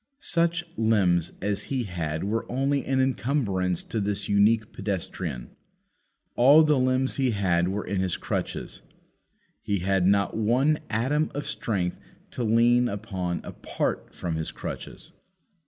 Such limbs as he had were only an encumbrance to this unique pedestrian. All the limbs he had were in his crutches. He had not one atom of strength to lean upon apart from his crutches.